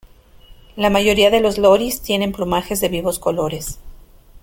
La mayoría de los loris tienen plumajes de vivos colores.